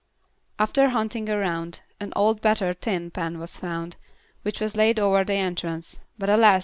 After hunting around, an old battered tin pan was found, which was laid over the entrance, but, alas!